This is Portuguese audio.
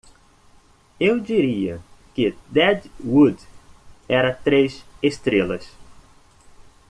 Eu diria que Dead Wood era três estrelas